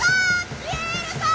ピエールさん！